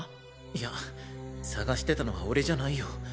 いや捜してたのは俺じゃないよ。